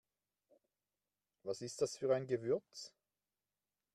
Was ist das für ein Gewürz?